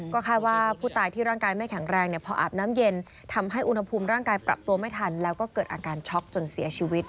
ก็คาดว่าผู้ตายที่ร่างกายไม่แข็งแรงพออาบน้ำเย็นทำให้อุณหภูมิร่างกายปรับตัวไม่ทันแล้วก็เกิดอาการช็อกจนเสียชีวิต